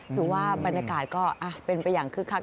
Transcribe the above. ถือว่าบรรยากาศก็เป็นไปอย่างคึกคัก